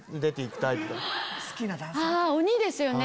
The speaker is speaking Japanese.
鬼ですよね。